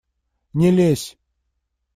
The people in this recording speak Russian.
Не лезь!